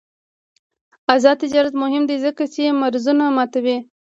آزاد تجارت مهم دی ځکه چې مرزونه ماتوي.